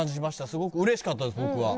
すごく嬉しかったです僕は。